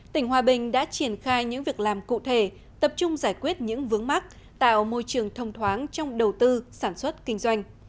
tỉnh hòa bình đã triển khai những việc làm cụ thể tập trung giải quyết những vướng mắc tạo môi trường thông thoáng trong đầu tư sản xuất kinh doanh